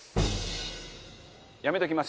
「やめときます」